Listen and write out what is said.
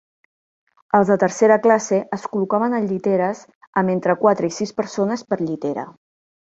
Els de tercera classe es col·locaven en lliteres amb entre quatre i sis persones per llitera.